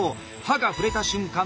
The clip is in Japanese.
刃が触れた瞬間